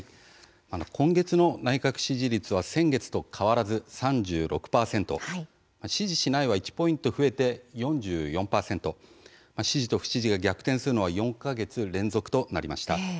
今月の内閣支持率は先月と変わらず３６％で支持しないは１ポイント増えて４４％支持と不支持が逆転するのは４か月連続となりました。